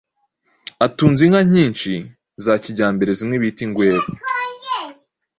Atunze inka nyinshi za kijyambere; zimwe bita ingweba.